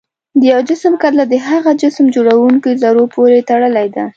د یو جسم کتله د هغه جسم د جوړوونکو ذرو پورې تړلې ده.